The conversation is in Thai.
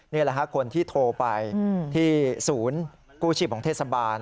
นี่แหละฮะคนที่โทรไปที่ศูนย์กู้ชีพของเทศบาล